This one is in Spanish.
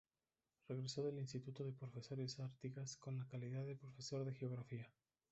Regresó del Instituto de Profesores Artigas con la calidad de profesor de geografía.